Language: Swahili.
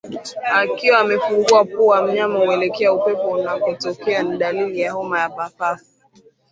Akiwa amefungua pua mnyama huelekea upepo unakotokea ni dalili ya homa ya mapafu